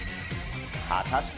果たして？